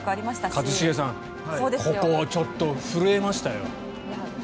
一茂さんここは震えましたよ。